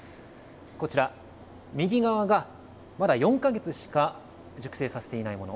こちら、右側がまだ４か月しか熟成させていないもの。